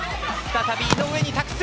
再び井上に託す。